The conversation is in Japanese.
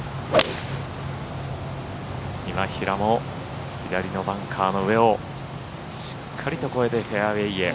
今平も左のバンカーの上をしっかりと越えてフェアウエーへ。